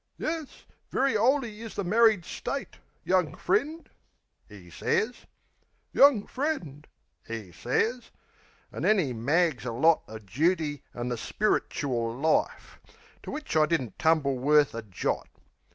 "Yes, very 'oly is the married state, Young friend," 'e sez. "Young friend," 'e sez. An' then 'e mags a lot Of jooty an' the spiritchuil life, To which I didn't tumble worth a jot.